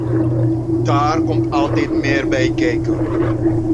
Daar komt altijd meer bij kijken.